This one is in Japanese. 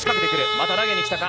また投げに来たか。